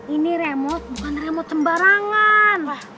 ini remote bukan remote sembarangan